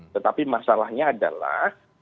tetapi masalahnya adalah